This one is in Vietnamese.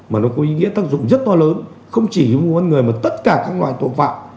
mà nó có ý nghĩa tác dụng rất to lớn không chỉ với mua bán người mà tất cả các loại tội phạm